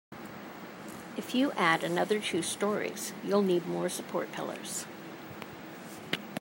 If you add another two storeys, you'll need more support pillars.